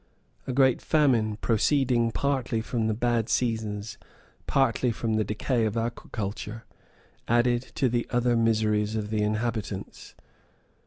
A great famine, proceeding partly from the bad seasons, partly from the decay of agriculture, added to all the other miseries of the inhabitants.